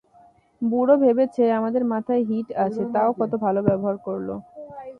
বুড়ো ভেবেছে আমাদের মাথায় ছিট আছে, তাও কত ভালো ব্যবহার করল।